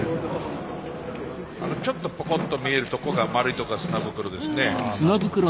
ちょっとぽこっと見えるとこが丸いとこが砂袋ですね。